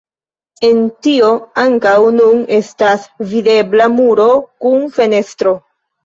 El tio ankaŭ nun estas videbla muro kun fenestro.